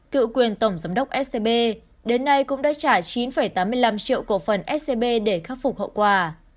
cựu quyền tổng giám đốc scb đến nay cũng đã trả chín tám mươi năm triệu cổ phần scb để khắc phục hậu quả